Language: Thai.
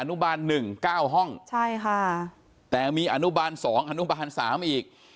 อนุบาล๑๙ห้องใช่ค่ะแต่มีอนุบาล๒อนุบาล๓อีก